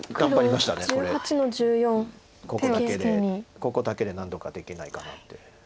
ここだけで何とかできないかなって。